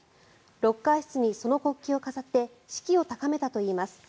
ロッカー室にその国旗を飾って士気を高めたといいます。